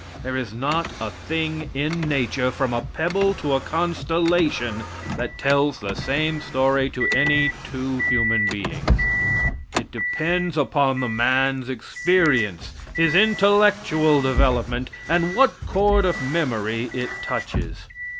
There is not a thing in nature, from a pebble to a constellation, that tells the same story to any two human beings. It depends upon the man's experience, his intellectual development, and what chord of memory it touches.